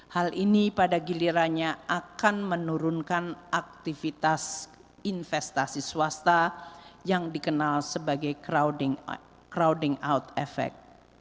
hal ini pada gilirannya akan menurunkan aktivitas investasi swasta yang dikenal sebagai crowding out effect